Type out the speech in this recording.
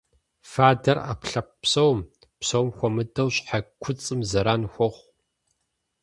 Фадэр Ӏэпкълъэпкъ псом, псом хуэмыдэу щхьэ куцӀым зэран хуэхъу.